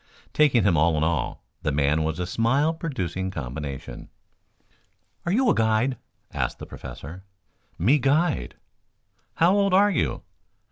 Taking him all in all, the man was a smile producing combination. "Are you a guide?" asked the Professor. "Me guide." "How old are you?"